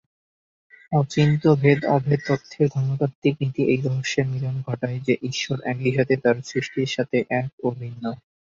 অচিন্ত্য-ভেদ-অভেদ তত্ত্বের ধর্মতাত্ত্বিক নীতি এই রহস্যের মিলন ঘটায় যে ঈশ্বর একই সাথে "তাঁর সৃষ্টির সাথে এক ও ভিন্ন"।